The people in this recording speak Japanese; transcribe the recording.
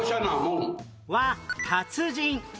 は「達人」